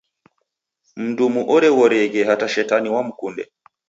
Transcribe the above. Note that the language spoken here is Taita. Mndumu oreghorieghe hata shetani wamkunde!